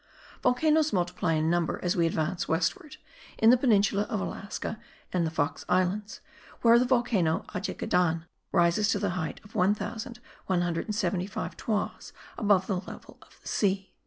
Volcanoes multiply in number as we advance westward, in the peninsula of Alaska and the Fox Islands, where the volcano Ajagedan rises to the height of 1175 toises above the level of the sea.